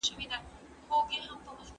احمد کتاب واخیستی او له خوني څخه ووتلی.